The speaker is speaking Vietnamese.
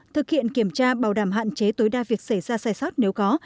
thực hiện kiểm tra bảo đảm hạn chế tối đa việc xảy ra sai sót nếu có